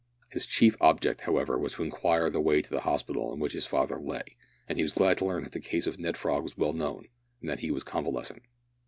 His chief object, however, was to inquire the way to the hospital in which his father lay, and he was glad to learn that the case of Ned Frog was well known, and that he was convalescent.